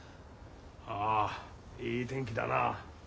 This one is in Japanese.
ああいい天気だな。